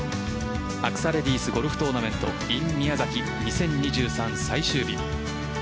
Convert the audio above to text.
アクサレディスゴルフトーナメントｉｎＭＩＹＡＺＡＫＩ２０２３最終日。